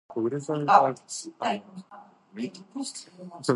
そのニュースはもう見ましたよ。